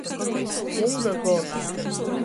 Kunga gors.